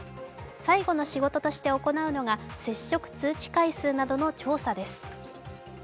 最後の仕事として行うのが接触通知回数などの調査です。